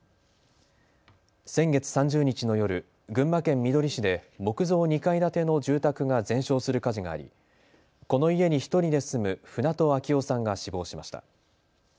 先月３０日の夜、群馬県みどり市で木造２階建ての住宅が全焼する火事がありこの家に１人で住む船戸秋雄さんが死亡しました。